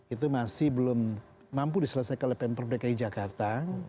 itu masih belum mampu diselesaikan oleh pemperberdayaan jakarta